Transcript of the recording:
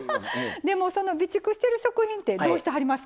でもその備蓄してる食品ってどうしてはりますか？